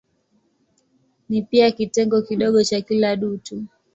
Ni pia kitengo kidogo cha kila dutu.